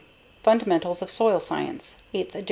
Fundamentals of Soil Science, 8th ed.